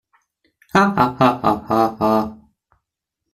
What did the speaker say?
Ah ! ah ! ah ! ah ! ah ! ah !